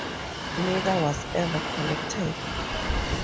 Neither was ever collected.